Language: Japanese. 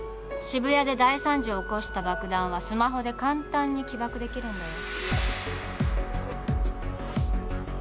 渋谷で大惨事を起こした爆弾はスマホで簡単に起爆できるんだよ